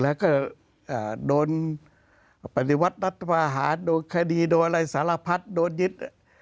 แล้วก็โดนปฏิวัติรัฐภาหารโดนคดีโดนอะไรสารพัดโดนยึด